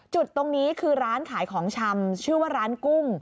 จุดตรงนี้คือร้านขายของชำชื่อว่าร้านกุ้ง